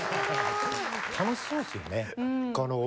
楽しそうですよね。